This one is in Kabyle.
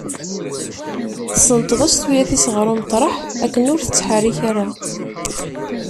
Tessenṭeḍ-as tuyat-is ɣer umeṭraḥ akken ur tettḥerrik ara.